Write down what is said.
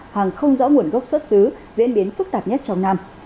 hàng không rõ nguồn gốc xuất xứ diễn biến phức tạp nhất trong năm